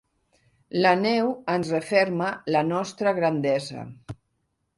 La neu ens referma la nostra grandesa.